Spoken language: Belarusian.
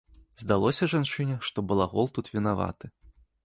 Здалося жанчыне, што балагол тут вінаваты.